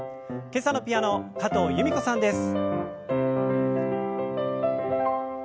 今朝のピアノ加藤由美子さんです。